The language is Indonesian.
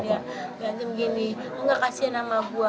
diancam gini enggak kasihan sama gue